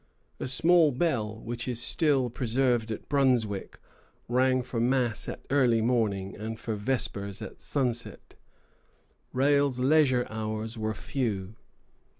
A small bell, which is still preserved at Brunswick, rang for mass at early morning, and for vespers at sunset. Rale's leisure hours were few.